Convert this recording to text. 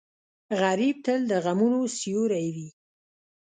غریب تل د غمونو سیوری وي